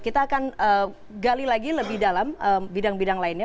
kita akan gali lagi lebih dalam bidang bidang lainnya